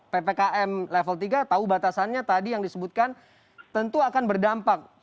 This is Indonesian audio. ppkm level tiga tahu batasannya tadi yang disebutkan tentu akan berdampak